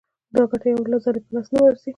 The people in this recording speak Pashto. دا ګټه یو ځلي په لاس نه ورځي